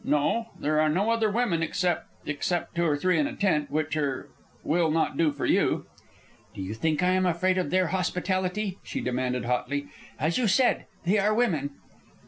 No; there are no other women except except two or three in a tent, which er which will not do for you." "Do you think I am afraid of their hospitality?" she demanded, hotly. "As you said, they are women."